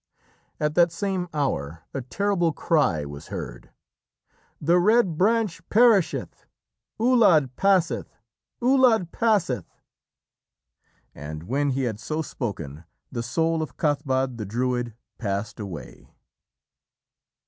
At that same hour a terrible cry was heard: "The Red Branch perisheth! Uladh passeth! Uladh passeth!" and when he had so spoken, the soul of Cathbad the Druid passed away.